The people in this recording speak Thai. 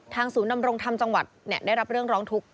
ศูนย์ดำรงธรรมจังหวัดได้รับเรื่องร้องทุกข์